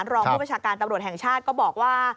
รองผู้ประชาการตำรวจแห่งชาติก็บอกว่า